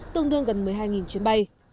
tương đương gần một mươi hai chuyến bay